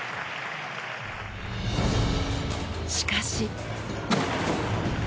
しかし。